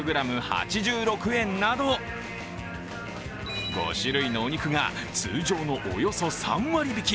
８６円など５種類のお肉が通常のおよそ３割引。